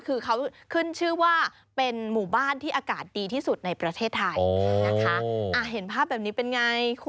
คือเขาขึ้นชื่อว่าเป็นหมู่บ้านที่อากาศดีที่สุดในประเทศไทยนะคะ